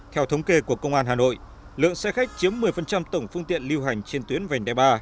theo thống kê của công an hà nội lượng xe khách chiếm một mươi tổng phương tiện lưu hành trên tuyến vành đai ba